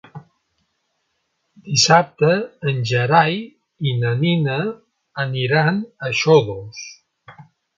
Dissabte en Gerai i na Nina aniran a Xodos.